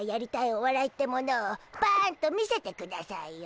おわらいってものをパンと見せてくだしゃいよ。